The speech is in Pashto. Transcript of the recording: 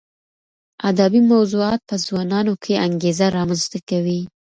ادبي موضوعات په ځوانانو کې انګېزه رامنځته کوي.